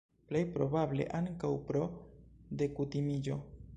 Plej probable, ankaŭ pro dekutimiĝo.